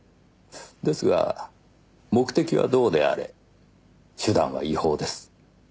ですが目的はどうであれ手段は違法です。